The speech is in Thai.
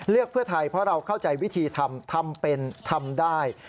เลือกเพื่อไทยเพราะเราเข้าใจวิธีทำทำเป็นทำได้